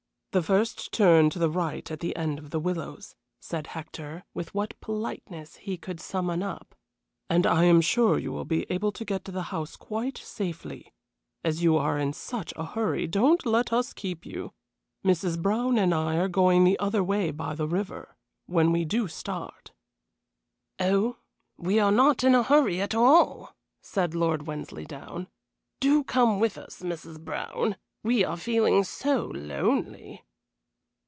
"The first turn to the right at the end of the willows," said Hector, with what politeness he could summon up, "and I am sure you will be able to get to the house quite safely. As you are in such a hurry, don't let us keep you. Mrs. Brown and I are going the other way by the river, when we do start." "Oh, we are not in a hurry at all," said Lord Wensleydown. "Do come with us, Mrs. Brown, we are feeling so lonely."